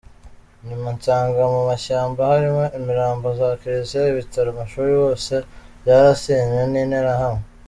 Nyuma nsanga mu mashyamba harimo imirambo, za Kiliziya, ibitaro, amashuri bose byarasenywe n’interahamwe.